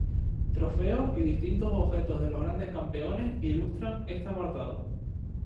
Trofeos y distintos objetos de los grandes campeones ilustran este apartado.